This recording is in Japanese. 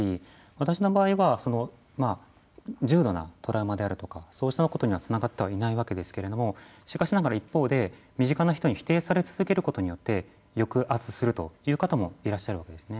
私の場合は重度なトラウマであるとかそうしたことには、つながってはいないわけですけれどもしかしながら一方で身近な人に否定され続けることによって抑圧するという方もいらっしゃるわけですね。